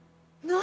何？